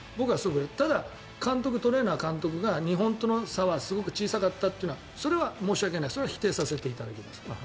ただ、トレーナー監督が日本との差はすごく小さかったというのはそれは申し訳ない否定させていただきます。